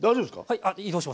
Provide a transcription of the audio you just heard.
はい。